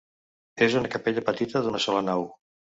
És una capella petita, d'una sola nau.